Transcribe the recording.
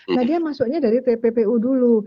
nah dia masuknya dari tppu dulu